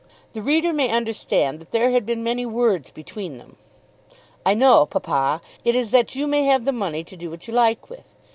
The reader may understand that there had been many words between them. "I know, papa. It is that you may have the money to do what you like with.